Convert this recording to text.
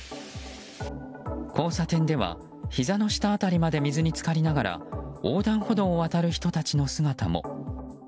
交差点では、ひざの下辺りまで水に浸かりながら横断歩道を渡る人たちの姿も。